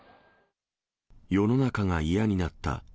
世の中が嫌になった。